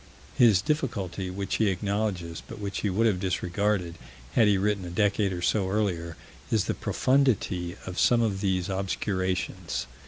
His difficulty, which he acknowledges, but which he would have disregarded had he written a decade or so earlier, is the profundity of some of these obscurations.